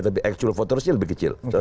tapi actual votersnya lebih kecil